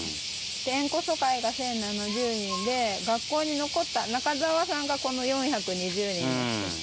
縁故疎開が１０７０人で学校に残った中沢さんらがこの４２０人です。